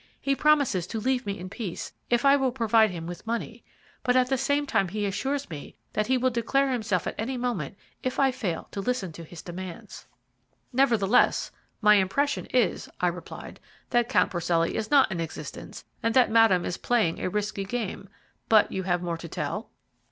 He promises to leave me in peace if I will provide him with money; but at the same time he assures me that he will declare himself at any moment if I fail to listen to his demands." "Nevertheless, my impression is," I replied, "that Count Porcelli is not in existence, and that Madame is playing a risky game; but you have more to tell?"